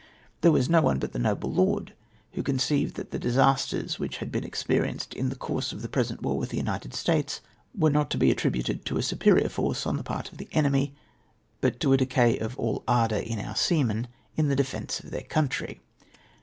There was no one but the noble lord Avho conceived that the disasters which we had experienced in the course of the pre sent war with the United States were not to be attributed to a superior force on the part of the enemy, but to a decay of all ardour in our seamen in the defence of their country.